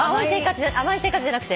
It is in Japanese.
『甘い生活』じゃなくて？